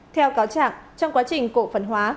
theo cáo trạng trong quá trình cổ phân hóa